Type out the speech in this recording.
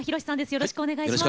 よろしくお願いします。